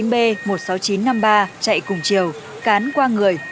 hai mươi chín b một mươi sáu nghìn chín trăm năm mươi ba chạy cùng chiều cán qua người